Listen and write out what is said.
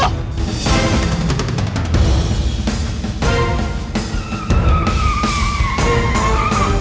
eh siapa kalian